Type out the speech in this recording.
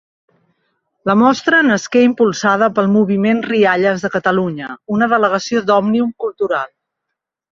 La Mostra nasqué impulsada pel Moviment Rialles de Catalunya, una delegació d'Òmnium Cultural.